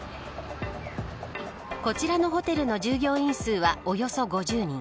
こちらのホテルの従業員数はおよそ５０人。